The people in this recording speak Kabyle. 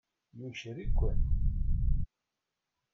Yuker-iken.